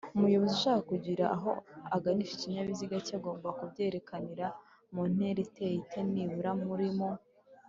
umuyobozi ushaka kugira aho aganisha ikinyabiziga cye agomba kubyerekanira muntera iteye ite?-nibura muri m